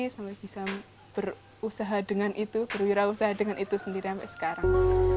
sampai bisa berusaha dengan itu berwirausaha dengan itu sendiri sampai sekarang